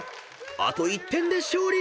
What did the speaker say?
［あと１点で勝利］